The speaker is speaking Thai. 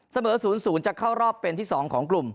เสมอ๐๐จะเข้ารอบเป็นที่๒ของกลุ่ม